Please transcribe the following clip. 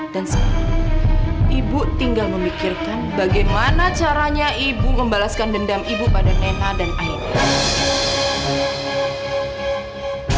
dan sekarang ibu tinggal memikirkan bagaimana caranya ibu membalaskan dendam ibu pada nena dan aina